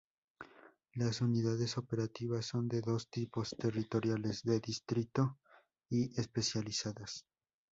Las Unidades Operativas son de dos tipos: territoriales de distrito y especializadas.